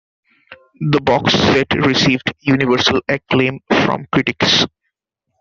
The box set received universal acclaim from critics.